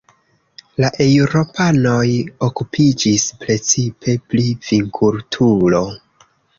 La eŭropanoj okupiĝis precipe pri vinkulturo.